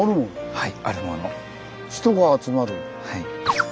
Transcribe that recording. はい。